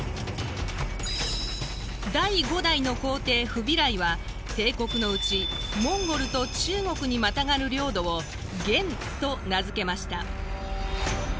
第五代の皇帝フビライは帝国のうちモンゴルと中国にまたがる領土を元と名付けました。